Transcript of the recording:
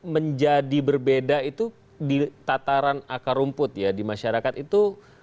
menjadi berbeda itu di tataran akar rumput ya di masyarakat itu